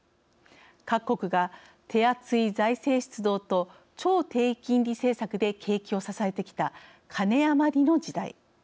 各国が手厚い財政出動と超低金利政策で景気を支えてきたカネ余りの時代。